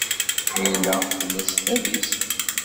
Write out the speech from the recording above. Layla tella s tadist.